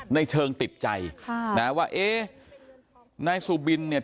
ในเชิงติดใจค่ะนะว่าเอ๊ะนายสุบินเนี่ย